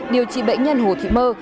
điều trị bệnh nhân hồ thị mơ